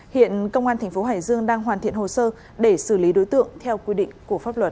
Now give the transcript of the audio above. hiện công an tp hải dương đang hoàn thiện hồ sơ để xử lý đối tượng theo quy định của pháp luật